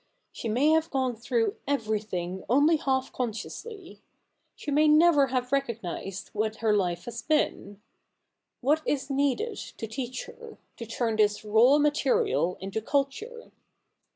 She may have gone through everything only half consciously. She may never have recognised what her life has been. What is needed to teach her — to turn this raw material into culture